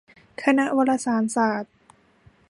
คณะวารสารศาสตร์